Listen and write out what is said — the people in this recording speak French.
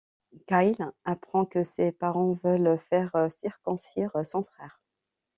Kyle apprend que ses parents veulent faire circoncire son frère.